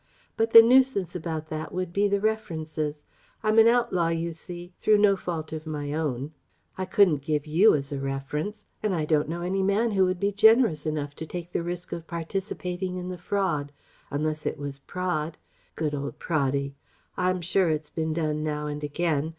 But the nuisance about that would be the references. I'm an outlaw, you see, through no fault of mine.... I couldn't give you as a reference, and I don't know any man who would be generous enough to take the risk of participating in the fraud.... unless it were Praed good old Praddy. I'm sure it's been done now and again.